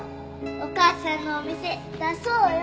お母さんのお店出そうよ！